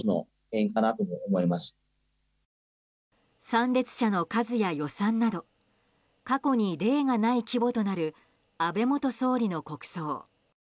参列者の数や予算など過去に例がない規模となる安倍元総理の国葬。